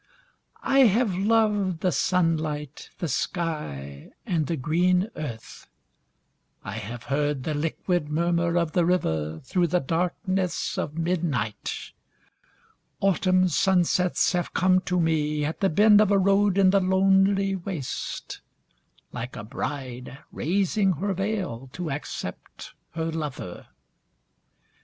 I have loved the sunlight, the sky and the green earth; I have heard the liquid murmur of the river through the darkness of midnight; Autumn sunsets have come to me at the bend of a road in the lonely waste, like a bride raising her veil to accept her lover.